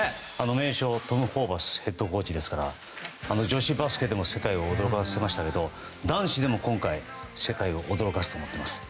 名将トム・ホーバスヘッドコーチですから女子バスケでも世界を驚かせましたが男子でも今回、世界を驚かせてもらいたいと思います。